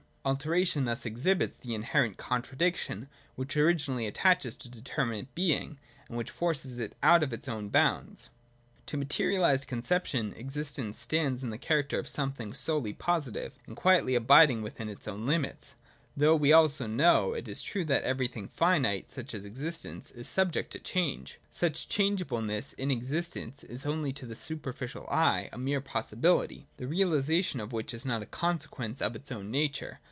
Alteration thus exhibits the inherent contradiction which originally attaches to determinate being, and which forces it out of its own bounds. To materialised conception existence stands in the character of something solely positive, and quietly abiding within its own limits : though we also know, it is true, that everything finite (such as existence) is subject to change. Such changeableness in existence is to the superficial eye a mere possibihty, the realisation of which is not a consequence of its own nature.